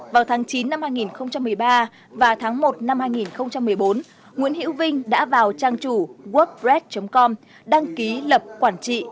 vào tháng chín năm hai nghìn một mươi ba và tháng một năm hai nghìn một mươi bốn nguyễn hữu vinh đã vào trang chủ workbrad com đăng ký lập quản trị